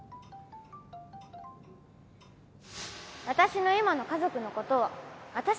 私の今の家族のことは